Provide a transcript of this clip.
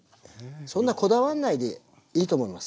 そんなこだわんないでいいと思います。